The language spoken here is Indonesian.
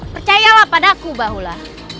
percayalah padaku baola